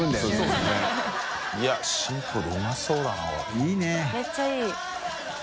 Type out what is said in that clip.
いいね。